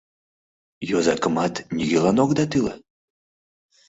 Йозакымат нигӧлан огыда тӱлӧ?